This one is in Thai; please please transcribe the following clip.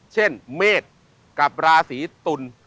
เช่นเมษกับราศีตุล